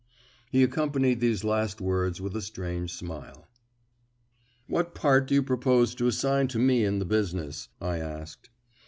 He accompanied these last words with a strange smile. "What part do you propose to assign to me in the business?" I asked.